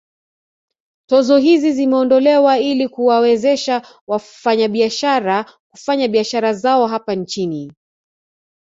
Tozo hizi zimeondolewa ili kuwawezesha wafanyabiashara kufanya biashara zao hapa nchini